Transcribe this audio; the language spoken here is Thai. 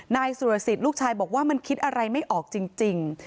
นายสุรสิทธิ์ลูกชายบอกว่ามันคิดอะไรไม่ออกจริง